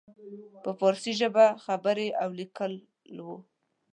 په فارسي ژبه خبرې او لیکل وو.